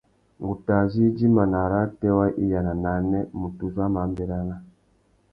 Ngu tà zú idjima; nà arrātê wa iya na nānê, mutu uzu a má nʼbérana.